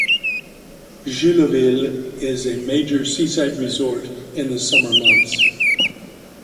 Jullouville is a major seaside resort in the summer months.